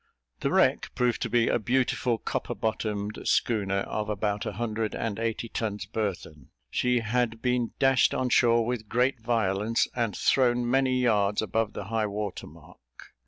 The wreck proved to be a beautiful copper bottomed schooner, of about a hundred and eighty tons burthen. She had been dashed on shore with great violence, and thrown many yards above the high water mark.